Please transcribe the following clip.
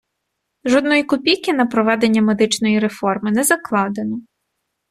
Жодної копійки на проведення медичної реформи не закладено.